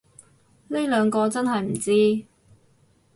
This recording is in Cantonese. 呢兩個真係唔知